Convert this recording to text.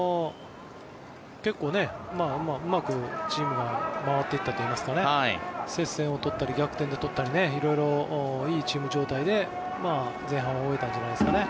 結構、うまくチームが回っていったといいますか接戦を取ったり逆転で取ったり色々いいチーム状態で、前半を終えたんじゃないですかね。